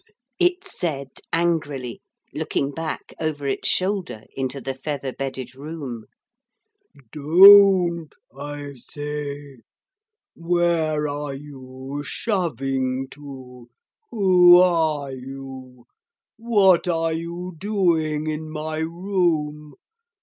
'Don't,' it said angrily, looking back over its shoulder into the feather bedded room, 'don't, I say. Where are you shoving to? Who are you? What are you doing in my room?